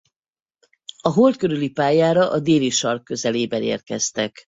A Hold körüli pályára a déli sark közelében érkeztek.